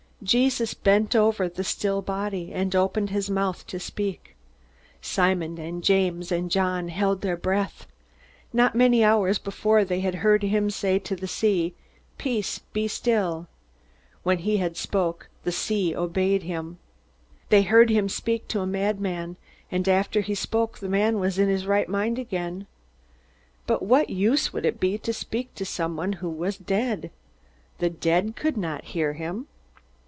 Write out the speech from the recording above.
Jesus bent over the still body, and opened his mouth to speak. Simon and James and John held their breath. Not many hours before, they had heard him say to the sea, "Peace, be still." When he spoke, the sea obeyed him. They heard him speak to a madman, and after he spoke the man was in his right mind again. But what use would it be to speak to someone who was dead? The dead could not hear him!